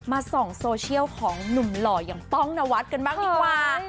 ส่องโซเชียลของหนุ่มหล่ออย่างป้องนวัดกันบ้างดีกว่า